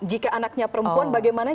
jika anaknya perempuan bagaimana